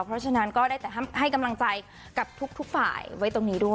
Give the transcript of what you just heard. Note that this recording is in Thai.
เพราะฉะนั้นก็ได้แต่ให้กำลังใจกับทุกฝ่ายไว้ตรงนี้ด้วย